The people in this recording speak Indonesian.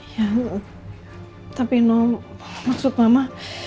ya tapi no maksud mama